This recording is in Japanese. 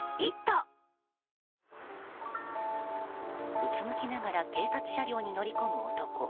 うつむきながら警察車両に乗り込む男。